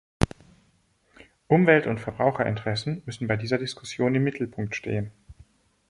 Umwelt und Verbraucherinteressen müssen bei dieser Diskussion im Mittelpunkt stehen.